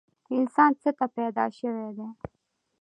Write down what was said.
انسان څه ته پیدا شوی دی؟